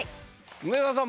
梅沢さん